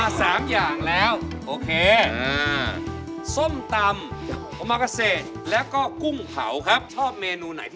อะไรแล้วแล้วตั้งตามใจคุณเลย